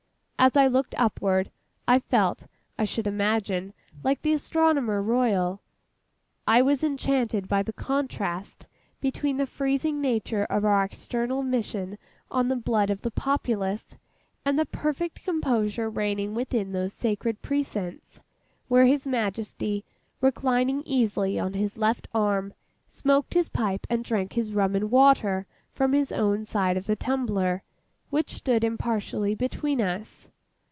As I looked upward, I felt, I should imagine, like the Astronomer Royal. I was enchanted by the contrast between the freezing nature of our external mission on the blood of the populace, and the perfect composure reigning within those sacred precincts: where His Majesty, reclining easily on his left arm, smoked his pipe and drank his rum and water from his own side of the tumbler, which stood impartially between us.